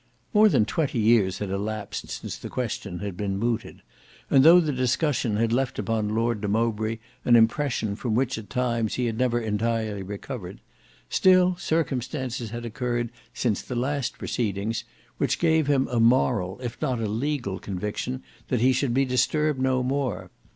More than twenty years had elapsed since the question had been mooted; and though the discussion had left upon Lord de Mowbray an impression from which at times he had never entirely recovered, still circumstances had occurred since the last proceedings which gave him a moral if not a legal conviction that he should be disturbed no more.